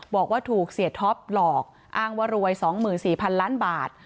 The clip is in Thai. บอกว่าถูกเสียท็อปหลอกอ้างว่ารวย๒๔๐๐๐ล้านบาท